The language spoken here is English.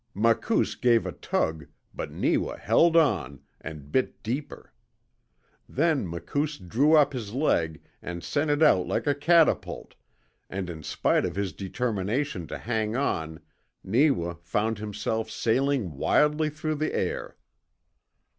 Makoos gave a tug, but Neewa held on, and bit deeper. Then Makoos drew up his leg and sent it out like a catapault, and in spite of his determination to hang on Neewa found himself sailing wildly through the air.